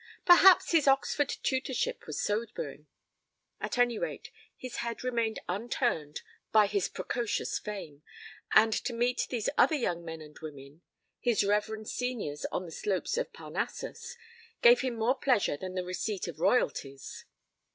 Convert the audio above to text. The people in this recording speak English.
Perhaps his Oxford tutorship was sobering. At any rate his head remained unturned by his precocious fame, and to meet these other young men and women his reverend seniors on the slopes of Parnassus gave him more pleasure than the receipt of 'royalties'.